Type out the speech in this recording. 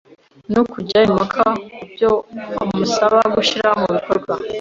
no kujya impaka ku byo amusaba gushyira mu bikorwa,